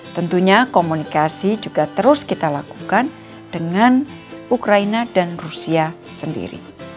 tentunya komunikasi juga terus kita lakukan dengan ukraina dan rusia sendiri